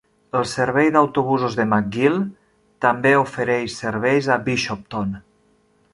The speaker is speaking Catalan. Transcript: El servei d'autobusos de McGill també ofereix serveis a Bishopton.